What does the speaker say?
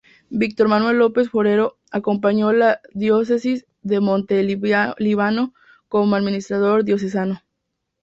Víctor Manuel López Forero, acompañó la Diócesis de Montelíbano, como Administrador Diocesano.